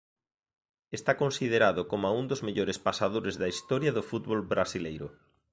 Está considerado coma un dos mellores pasadores da historia do fútbol brasileiro.